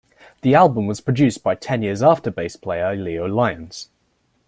The album was produced by Ten Years After bass player Leo Lyons.